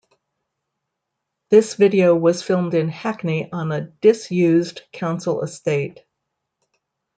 This video was filmed in Hackney on a dis-used council estate.